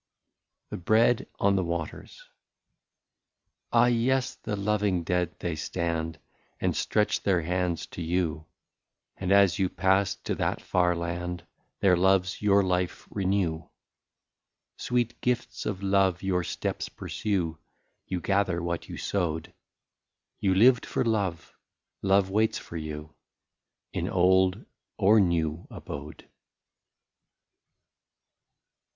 84 THE BREAD ON THE WATERS. Ah ! yes, the loving dead they stand, And stretch their hands to you ; And as you pass to that far land, Their loves your life renew ; Sweet gifts of love your steps pursue ; You gather what you sowed ; You lived for love ; love waits for you, In old or new abode.